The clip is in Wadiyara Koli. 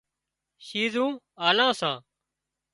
شِيزون آلان سان